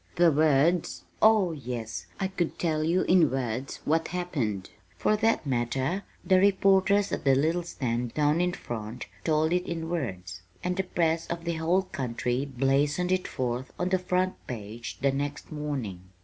The words oh, yes, I could tell you in words what happened. For that matter, the reporters at the little stand down in front told it in words, and the press of the whole country blazoned it forth on the front page the next morning.